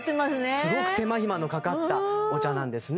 すごく手間暇のかかったお茶なんですね